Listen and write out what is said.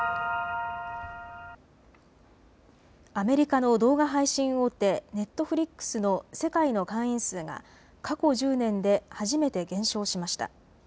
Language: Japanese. アメリカの動画配信大手、ネットフリックスの世界の会員数が、過去１０年で初めて減少しました。